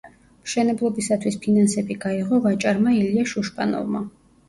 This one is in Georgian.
მშენებლობისათვის ფინანსები გაიღო ვაჭარმა ილია შუშპანოვმა.